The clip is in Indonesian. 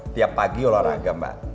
tiap pagi olahraga mbak